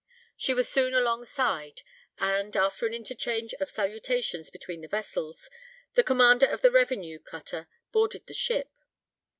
She was soon along side, and, after an interchange of salutations between the vessels, the commander of the revenue cutter boarded the ship.